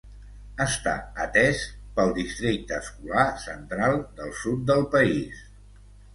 Està atès pel districte escolar central del sud del país.